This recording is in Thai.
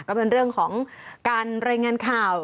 ก็เป็นเรื่องของการรายงานข่าว